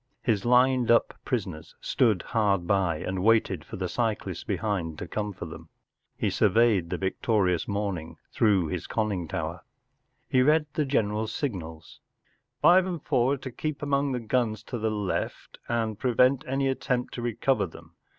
His lined up prisoners stood hard by and waited for the cyclists behind to come for them. He surveyed the victorious morning through his conning towor. He read the general s signals. “ Five and Four are to keep among the guns to the left and prevent any attempt to recover them.